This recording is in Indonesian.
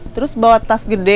terus bawa tas gede